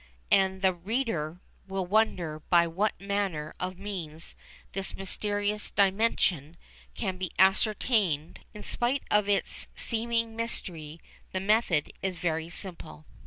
And the reader will wonder by what manner of means this mysterious dimension can be ascertained. In spite of its seeming mystery the method is very simple.